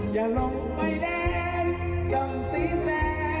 จะพาไปรถน้าหมดล้างเท้าเป็นดาวบ้านน้ำ